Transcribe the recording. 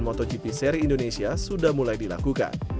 motogp seri indonesia sudah mulai dilakukan